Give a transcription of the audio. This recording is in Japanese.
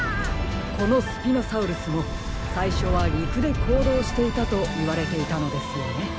このスピノサウルスもさいしょはりくでこうどうしていたといわれていたのですよね。